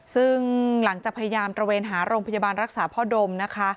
ซึ่งหลังจากพยายามตระเวนหาโรงพยาบาลรักษาพ่อดมนะคะ